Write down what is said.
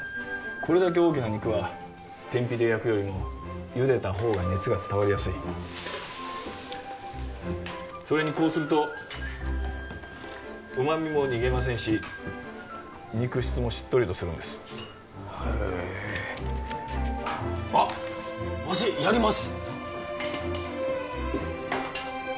これだけ大きな肉は天火で焼くよりも茹でたほうが熱が伝わりやすいそれにこうすると旨みも逃げませんし肉質もしっとりとするんですへえあッわしやります